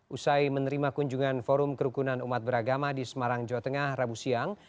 usai menerima kunjungan forum kerukunan umat beragama di semarang jawa tengah rabu siang